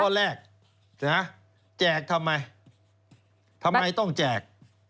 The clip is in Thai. แรกแจกทำไมทำไมต้องแจก